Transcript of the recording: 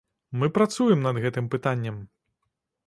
Мы працуем над гэтым пытаннем.